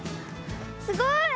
すごい。